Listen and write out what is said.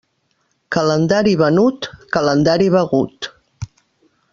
Calendari venut, calendari begut.